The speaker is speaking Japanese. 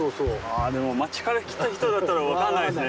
あでも町から来た人だったら分かんないですね。